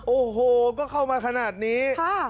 โอ้โหก็เข้ามาขนาดนี้